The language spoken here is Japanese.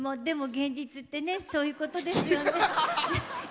でも現実ってねそういうことですよね。